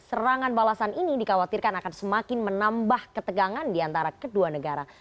serangan balasan ini dikhawatirkan akan semakin menambah ketegangan di antara kedua negara